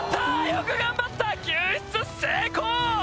よく頑張った救出成功！